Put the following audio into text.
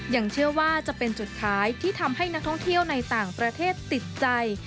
ยังเชื่อว่าจะเป็นจุดขายที่ทำให้นักท่องเที่ยวในต่างประเทศติดใจ